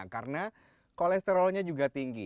karena kolesterolnya juga tinggi